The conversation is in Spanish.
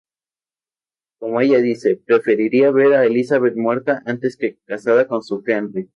Como ella dice, preferiría ver a Elizabeth muerta antes que casada con su Henry.